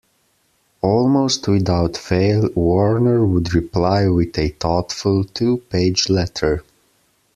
Almost without fail, Warner would reply with a thoughtful, two-page letter.